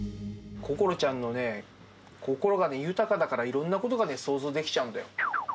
こころちゃんの心が豊かだから、いろんなことが想像できちゃうんだよ。